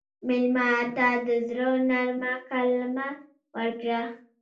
مېلمه ته د زړه نرمه کلمه ورکړه.